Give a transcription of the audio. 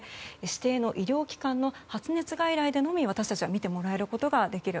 指定の医療機関の発熱外来でのみ私たちは診てもらえます。